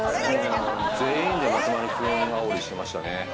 全員で松丸君あおりしてましたね。